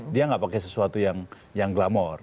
dia nggak pakai sesuatu yang glamor